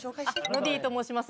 ノディと申します。